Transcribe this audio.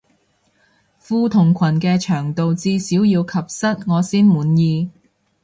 褲同裙嘅長度至少要及膝我先滿意